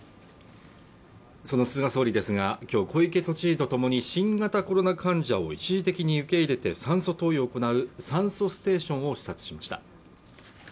その菅総理が今日小池都知事と共に新型コロナ患者を一時的に受け入れて酸素投与を行う酸素ステーションを視察しました